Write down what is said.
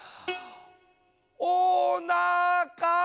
おなか。